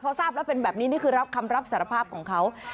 พอทราบแล้วเป็นแบบนี้นี่คือรับคำรับสารภาพของเขา